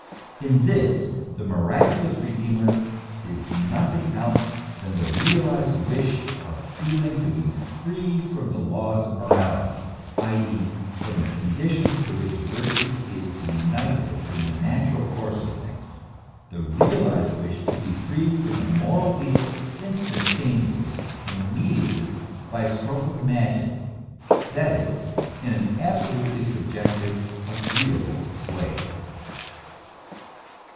In this, the miraculous Kedeemer is nothing else than the realized wish of feeling to he free from the laws of morality, i.e., from the conditions to which virtue is united in the natural course of things ; the realized wish to he freed from moral evils instantaneously, immediately, by a stroke of magic, that is, in an absolutely subjective, agreeable way.